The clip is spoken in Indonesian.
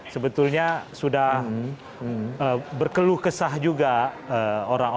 sebetulnya sudah berkeluh kesah juga orang orang